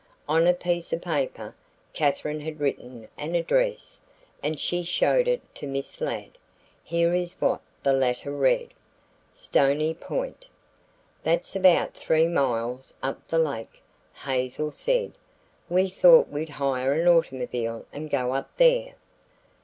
On a piece of paper Katherine had written an address and she showed it to Miss Ladd. Here is what the latter read: "Stony Point." "That's about three miles up the lake," Hazel said. "We thought we'd hire an automobile and go up there."